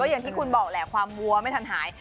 อย่างที่คุณบอกแหละความวัวไม่ทันหาย